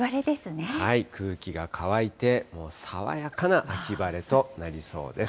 空気が乾いて、もう爽やかな秋晴れとなりそうです。